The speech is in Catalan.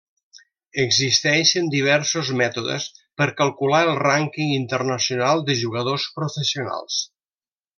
Existeixen diversos mètodes per calcular el rànquing internacional de jugadors professionals.